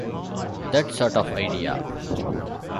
That sort of idea.